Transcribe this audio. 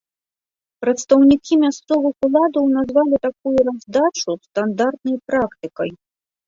Прадстаўнікі мясцовых уладаў назвалі такую раздачу стандартнай практыкай.